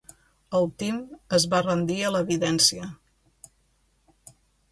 El Tim es va rendir a l'evidència.